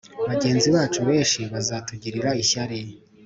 bagenzi bacu benshi bazatugirira ishyari